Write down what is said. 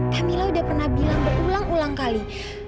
kamila udah pernah bilang berulang ulang kali